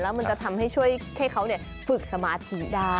แล้วมันจะทำให้ช่วยให้เขาฝึกสมาธิได้